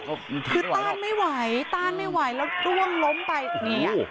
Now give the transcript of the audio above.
เขาคือต้านไม่ไหวต้านไม่ไหวแล้วร่วงล้มไปอย่างงี้อะ